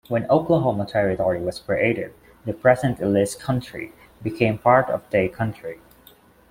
When Oklahoma Territory was created, the present Ellis County became part of Day County.